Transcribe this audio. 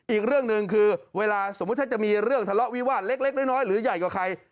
อีกเรื่องหนึ่งคือเวลาสมมุติถ้าจะมีเรื่องทะเลาะวิวาสเล็กน้อยหรือใหญ่กว่าใคร